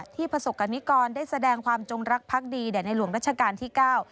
ประสบกรณิกรได้แสดงความจงรักพักดีแด่ในหลวงรัชกาลที่เก้า